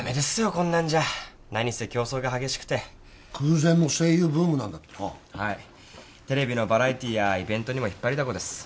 こんなんじゃ何せ競争が激しくて空前の声優ブームなんだってなはいテレビのバラエティーやイベントにも引っ張りだこです